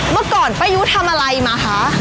เมื่อก่อนป้ายุทำอะไรมาคะ